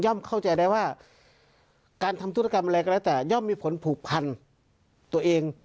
เข้าใจได้ว่าการทำธุรกรรมอะไรก็แล้วแต่ย่อมมีผลผูกพันตัวเอง